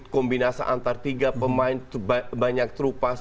kombinasi antar tiga pemain banyak trupas